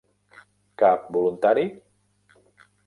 Cap voluntari?